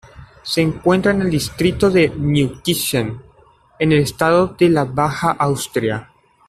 Se encuentra en el distrito de Neunkirchen, en el estado de la Baja Austria.